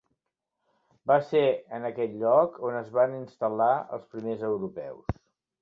Va ser en aquest lloc on es van instal·lar els primers europeus.